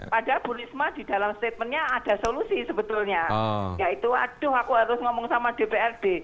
padahal bu risma di dalam statementnya ada solusi sebetulnya yaitu aduh aku harus ngomong sama dprd